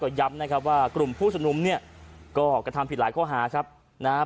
ย้ำนะครับว่ากลุ่มผู้ชมนุมเนี่ยก็กระทำผิดหลายข้อหาครับนะฮะ